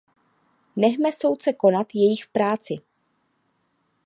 Nechme soudce konat jejich práci.